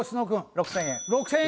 ６０００円。